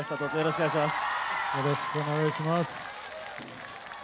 よろしくお願いします。